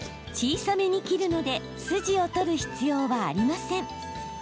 小さめに切るので筋を取る必要はありません。